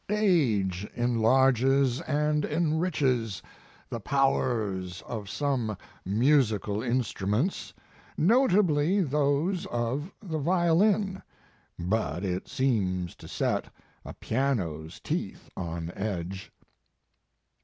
Age enlarges and enriches the powers of some musical instruments, notably those of the violin, but it seems to set a piano s teeth on edge."